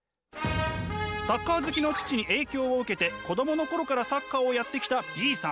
サッカー好きの父に影響を受けて子供の頃からサッカーをやってきたＢさん。